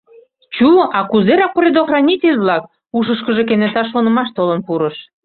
«Чу, а кузерак предохранитель-влак?» — ушышкыжо кенета шонымаш толын пурыш.